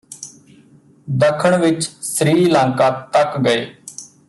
ਦੱਖਣ ਵਿਚ ਸ੍ਰੀ ਲੰਕਾ ਤੱਕ ਗਏ